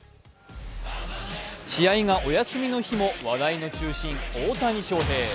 試合がお休みの日も話題の中心、大谷翔平。